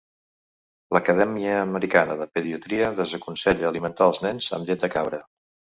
L'Acadèmia Americana de Pediatria desaconsella alimentar els nens amb llet de cabra.